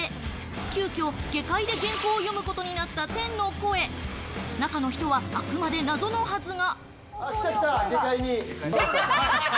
急遽、下界で原稿を読むことになった天の声、中の人はあくまで謎のはずが。